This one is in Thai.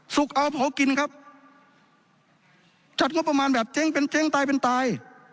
เอาเผากินครับจัดงบประมาณแบบเจ๊งเป็นเจ๊งตายเป็นตาย